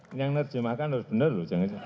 yang nerjemahkan harus benar loh jangan jangan